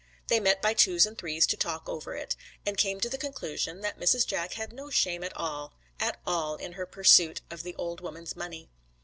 They met by twos and threes to talk over it, and came to the conclusion that Mrs. Jack had no shame at all, at all, in her pursuit of the old woman's money.